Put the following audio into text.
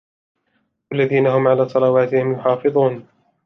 والذين هم على صلواتهم يحافظون